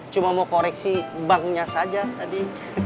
cuma mau koreksi banknya saja tadi